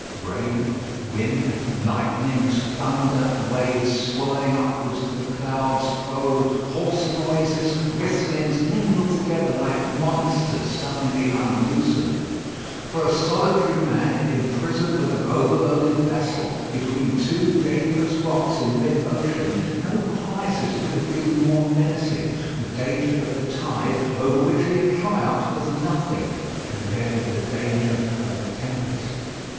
Rain, wind, lightnings, thunder, waves swirling upwards to the clouds, foam, hoarse noises, whistlings, mingled together like monsters suddenly unloosened. For a solitary man, imprisoned with an overloaded vessel, between two dangerous rocks in mid ocean, no crisis could have been more menacing. The danger of the tide, over which he had triumphed, was nothing compared with the danger of the tempest.